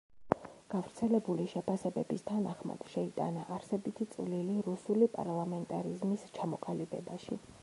გავრცელებული შეფასებების თანახმად, შეიტანა არსებითი წვლილი რუსული პარლამენტარიზმის ჩამოყალიბებაში.